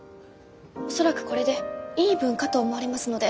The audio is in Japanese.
恐らくこれでイーブンかと思われますので。